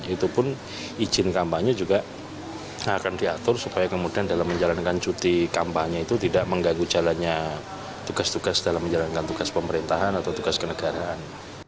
itu pun izin kampanye juga akan diatur supaya kemudian dalam menjalankan cuti kampanye itu tidak mengganggu jalannya tugas tugas dalam menjalankan tugas pemerintahan atau tugas kenegaraan